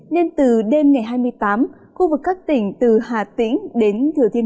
nên từ đêm ngày hai mươi tám khu vực các tỉnh từ hà tĩnh đến thừa thiên